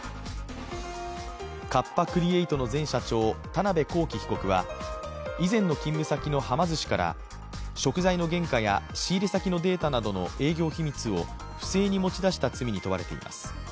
カッパ・クリエイトの前社長田辺公己被告は以前の勤務先のはま寿司から食材の原価や仕入れ先のデータなどの営業秘密を不正に持ち出した罪に問われています。